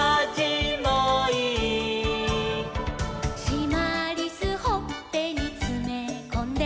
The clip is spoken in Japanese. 「しまりすほっぺにつめこんで」